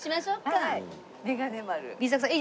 はい！